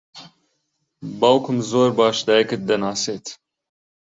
باوکم زۆر باش دایکت دەناسێت.